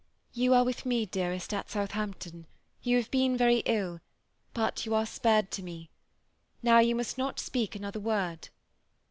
"You are with me, dearest, at South ampton ; you have been very ill, but you are spared to me. Now you, must not speak another word."